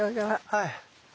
はい。